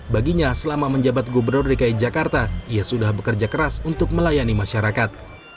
baginya selama menjabat gubernur dki jakarta ia sudah bekerja keras untuk melayani masyarakat